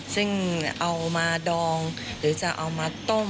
ซึ่งเอามาดองหรือจะเอามาต้ม